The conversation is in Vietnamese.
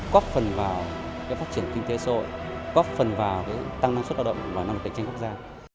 góp phần vào phát triển kinh tế xã hội góp phần vào tăng năng suất lao động và năng lực cạnh tranh quốc gia